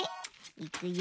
いくよ。